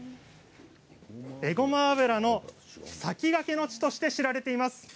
えごま油の先駆けの地として知られています。